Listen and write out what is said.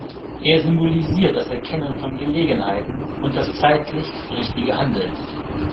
Er symbolisiert das Erkennen von Gelegenheiten und das zeitlich richtige Handeln.